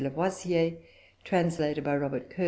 Lavoisier. Translated by Robert Kerr.